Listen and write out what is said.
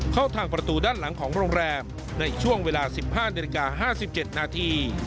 เข้าทางประตูด้านหลังของโรงแรมในช่วงเวลา๑๕นาฬิกา๕๗นาที